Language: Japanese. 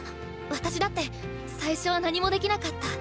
私だって最初は何もできなかった。